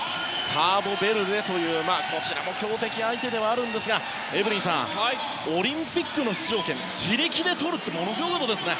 カーボベルデというこちらも強敵相手ではあるんですがエブリンさんオリンピックの出場権を自力でとるってものすごいことですね。